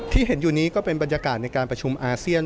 ที่เห็นอยู่นี้ก็เป็นบรรยากาศในการประชุมอาเซียน